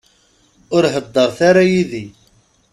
Ur heddṛet ara yid-i.